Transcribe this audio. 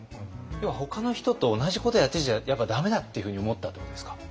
要はほかの人と同じことやってちゃやっぱ駄目だっていうふうに思ったってことですか？